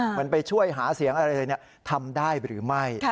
เหมือนไปช่วยหาเสียงอะไรเลยทำได้หรือไม่